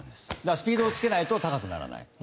スピードをつけないと高くならない。